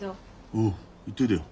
おう行っといでよ。